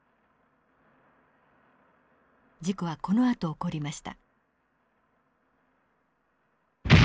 事故はこのあと起こりました。